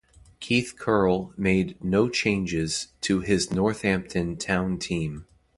Keith Curle made no changes to his Northampton Town team.